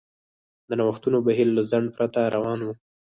د نوښتونو بهیر له ځنډ پرته روان و.